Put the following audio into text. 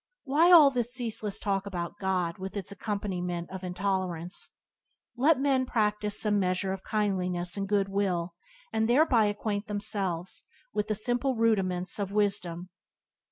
Why all this ceaseless talk about God, with its accompaniment of intolerance? Let men practice some measure of kindliness and good will, and thereby acquaint themselves with the simple rudiments of wisdom.